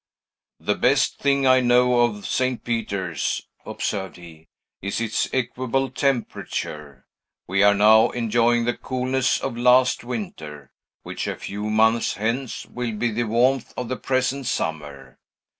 "The best thing I know of St. Peter's," observed he, "is its equable temperature. We are now enjoying the coolness of last winter, which, a few months hence, will be the warmth of the present summer.